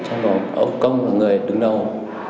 ông kinh là người đứng đầu